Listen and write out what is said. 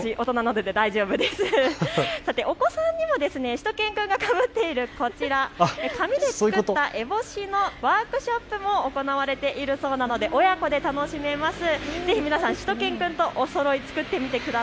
さてお子さんにもしゅと犬くんがかぶっているこちら、紙で作ったえぼしのワークショップも行われているそうなので親子で楽しめます。